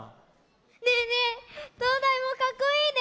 ねえねえ灯台もかっこいいね。